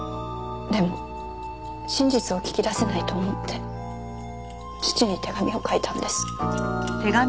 でも真実を聞き出せないと思って父に手紙を書いたんです。